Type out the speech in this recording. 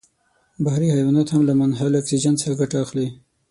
بحري حیوانات هم له منحل اکسیجن څخه ګټه اخلي.